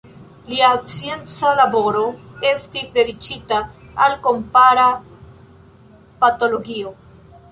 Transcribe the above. Lia scienca laboro estis dediĉita al kompara patologio.